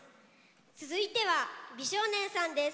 続いては美少年さんです。